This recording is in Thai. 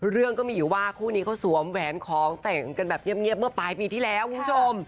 เรื่องก็มีอยู่ว่าคู่นี้เขาสวมแหวนของแต่งกันแบบเงียบเมื่อปลายปีที่แล้วคุณผู้ชม